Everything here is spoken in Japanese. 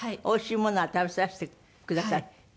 おいしいものは食べさせてくださる。